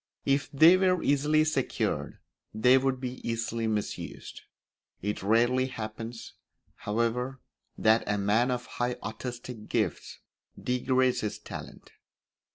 If they were easily secured they would be easily misused; it rarely happens, however, that a man of high artistic gifts degrades his talent.